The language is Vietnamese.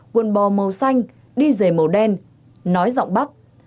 quần bò màu xanh đi rể màu đen nói giọng bắc